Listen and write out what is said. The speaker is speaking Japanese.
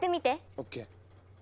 ＯＫ。